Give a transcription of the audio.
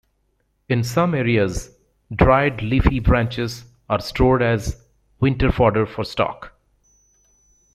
In some areas, dried leafy branches are stored as winter fodder for stock.